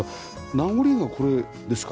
名残がこれですか？